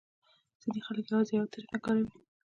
ځینې خلک یوازې یوه طریقه کاروي.